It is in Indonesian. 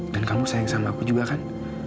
dan kamu sayang sama aku juga kan